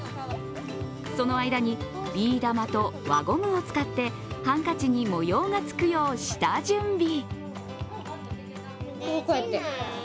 その間にビー玉と輪ゴムを使ってハンカチに模様がつくよう下準備。